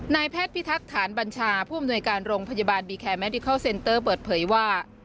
นายแพทย์พิทักษ์ฐานบัญชาผู้อำนวยการโรงพยาบาลบีแคร์แมดิเคิลเซ็นเตอร์เปิดเผยว่า